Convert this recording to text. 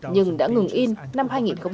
nhưng đã ngừng in năm hai nghìn một mươi